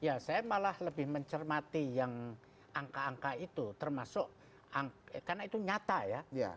ya saya malah lebih mencermati yang angka angka itu termasuk karena itu nyata ya